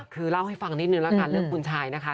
คือเล่าให้ฟังนิดนึงแล้วกันเรื่องคุณชายนะคะ